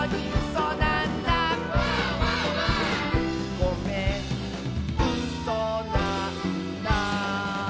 「ごめんうそなんだ」